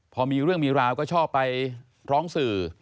พอมีเรื่องมีราวก็ชอบไปร้องสื่อ